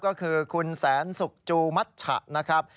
ก็คือคุณแสนสุกจูมัชชะนะครับ